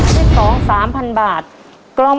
๑ล้าน